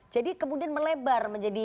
jadi kemudian melebar menjadi